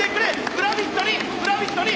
グラビットにグラビットに。